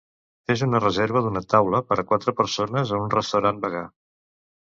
Fes una reserva d'una taula per a quatre persones a un restaurant vegà.